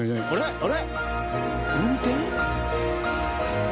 あれ。